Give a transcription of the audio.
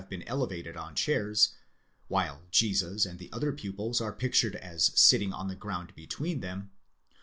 been elevated on chairs, while Jesus and the other pupils are pictured as sit — ting on the ground between them